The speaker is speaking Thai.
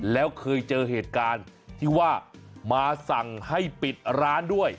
แล้วเคยเจอเหตุการณ์ที่ว่ามาสั่งให้ปิดร้านด้วย